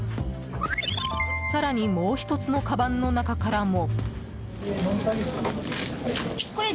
更に、もう１つのかばんの中からも。